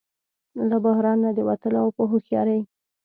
له بحران نه د وتلو او په هوښیارۍ